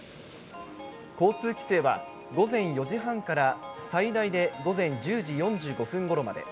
交通規制は、午前４時半から最大で午前１０時４５分ごろまで。